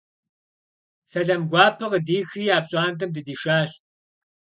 Сэлам гуапэ къыдихри я пщӏантӏэм дыдишащ.